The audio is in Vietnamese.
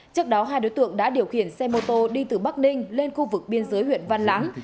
trước đó hai đối tượng đã điều khiển xe mô tô đi từ bắc ninh lên khu vực biên giới huyện văn lãng